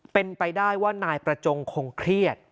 เป็นไปได้ว่านายประจงคงเครียด